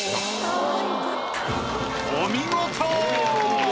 お見事！